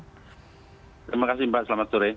terima kasih mbak selamat sore